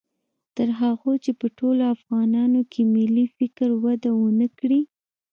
تر هغو چې په ټولو افغانانو کې ملي فکر وده و نه کړي